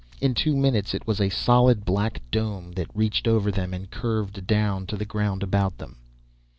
In two minutes it was a solid, black dome that reached over them and curved down to the ground about them.